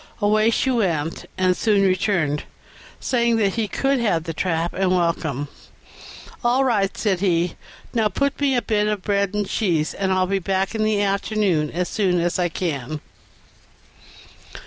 Away she went, and soon returned, saying that he could have the trap and welcome. "All right," said he; "now put me up a bit of bread and cheese, and I'll be back in the afternoon as soon as I can."